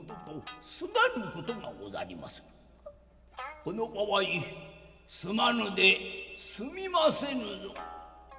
この場合すまぬで済みませぬぞ」。